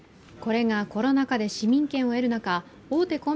これがコロナ禍で市民権を得る中大手